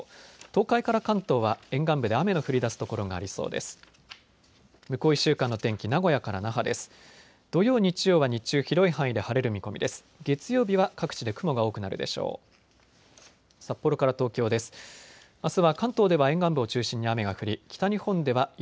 東海から関東は沿岸部で雨の降りだす所がありそうです。